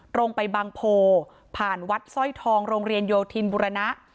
ตรงไปบางโพผ่านวัดสร้อยทองโรงเรียนโยธินบุรณะ